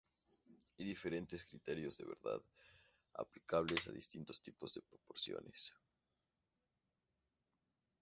Hay diferentes criterios de verdad, aplicables a distintos tipos de proposiciones.